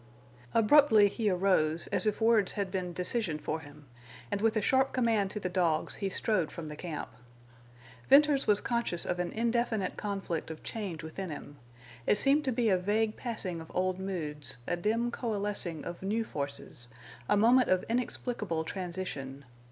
Abruptly he arose, as if words had been decision for him, and with a sharp command to the dogs he strode from the camp. Venters was conscious of an indefinite conflict of change within him. It seemed to be a vague passing of old moods, a dim coalescing of new forces, a moment of inexplicable transition.